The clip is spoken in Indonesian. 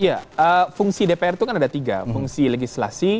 ya fungsi dpr itu kan ada tiga fungsi legislasi